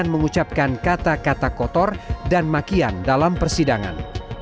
mengucapkan kata kata kotor dan makian dalam persidangan